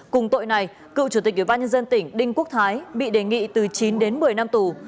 cùng tội này cựu chủ tịch ủy ban nhân dân tỉnh đinh quốc thái bị đề nghị từ chín đến một mươi năm tù